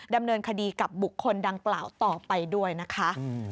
ดำเนินคดีกับบุคคลดังกล่าวต่อไปด้วยนะคะ